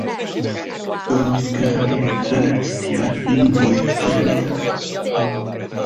Yr oedd gydag ef ddynes tua'r un oed ag yntau.